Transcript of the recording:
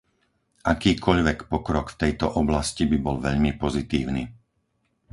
Akýkoľvek pokrok v tejto oblasti by bol veľmi pozitívny.